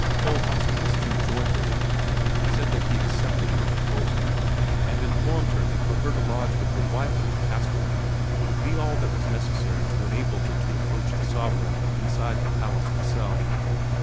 Kohlhaas kissed her joyfully, said that he accepted her proposal, and informed her that for her to lodge with the wife of the castellan would be all that was necessary to enable her to approach the sovereign inside the palace itself.